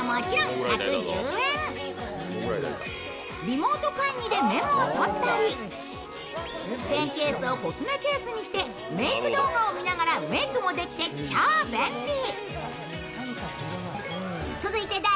リモート会議でメモをとったり、ペンケースをコスメケースにしてメイク動画を見ながらメイクもできて超便利。